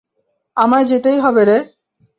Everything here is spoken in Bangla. আমায় যেতেই হবে রে।